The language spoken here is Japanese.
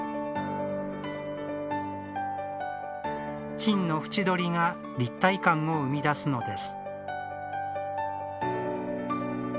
金の縁取りが立体感を生み出すのです。